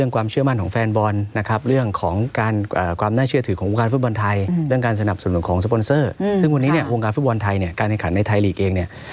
การสนับสนุนของสปอนเซอร์ซึ่งวันนี้ฟิฟบอลไทยการแข่งขันในไทยลีกเอง